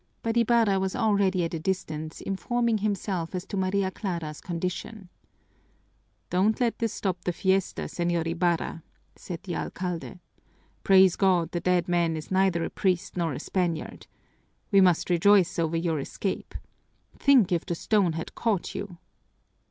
But Ibarra was already at a distance informing himself as to Maria Clara's condition. "Don't let this stop the fiesta, Señor Ibarra," said the alcalde. "Praise God, the dead man is neither a priest nor a Spaniard! We must rejoice over your escape! Think if the stone had caught you!"